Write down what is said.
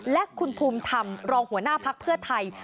และคุณภูมิธรรมรองหัวหน้าภักดิ์เพื่อไทย